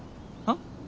あっ？